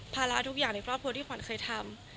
ระทุกอย่างในครอบครัวที่ขวัญเคยทำ